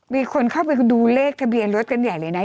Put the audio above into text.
มีคนเข้าไปดูเลขทะเบียนรถกันใหญ่เลยนะ